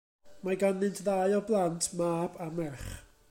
Mae ganddynt ddau o blant, mab a merch.